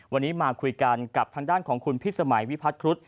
วันนี้มาคุยกันกับทางด้านของคุณพิสมัยวิพัฒนครุศ